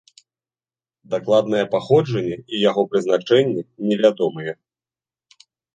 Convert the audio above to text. Дакладнае паходжанне і яго прызначэнне невядомыя.